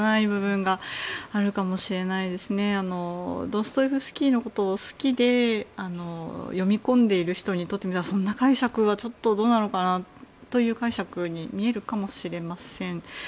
ドストエフスキーのことを好きで読み込んでいる人にとって見たらそんな解釈は、ちょっとどうなのかなという解釈に見えるかもしれません。